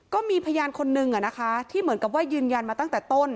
ก็มีพยานคนนึงที่เหมือนกับว่ายืนยันมาตั้งแต่ต้น